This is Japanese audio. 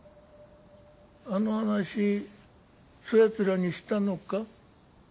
あの話そやつらにしたのか？